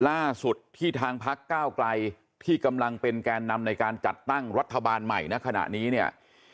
ล่าสุดที่ทางพักก้าวไกลที่กำลังเป็นแกนนำในการจัดตั้งรัฐบาลใหม่ณขณะนี้เนี่ย